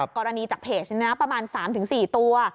กรณีจากเพจนี้นะประมาณ๓๔ตัว